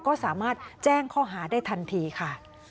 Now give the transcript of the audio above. ก็สามารถแจ้งข้อหาได้ทันทีค่ะ